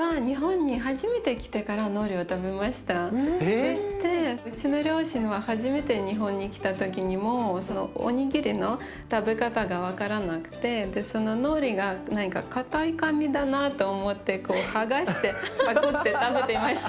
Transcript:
そしてうちの両親は初めて日本に来た時にもおにぎりの食べ方が分からなくてそののりが何か硬い紙だなと思ってこう剥がしてパクッて食べてました。